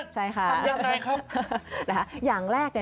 ใช่ไหมทำยังไงครับ